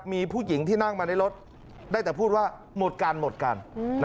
มีผู้หญิงที่นั่งมาในรถได้แต่พูดว่าหมดกันหมดกัน